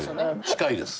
近いです。